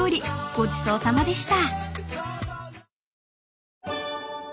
ごちそうさまでした］